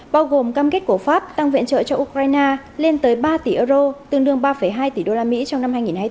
bao gồm cam kết của pháp tăng viện trợ cho ukraine lên tới ba tỷ euro tương đương ba hai tỷ usd